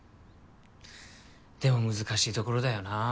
でも難しいところだよなぁ。